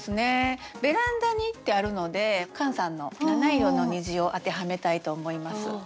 「ベランダに」ってあるのでカンさんの「七色の虹」を当てはめたいと思います。